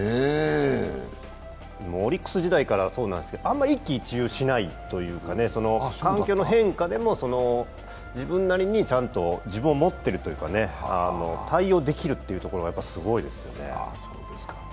オリックス時代からそうなんですけどあんまり一喜一憂しないというか環境の変化でも、自分なりにちゃんと自分を持っているというか、対応できるっていうところがやっぱりすごいですよね。